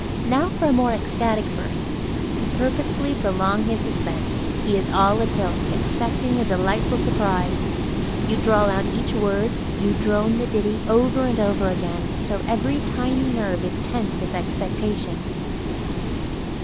Now for a more ecstatic burst. You purposely prolong his suspense; he is all atilt, expecting the delightful surprise. You drawl out each word; you drone the ditty over and over again, till every tiny nerve is tense with expectation.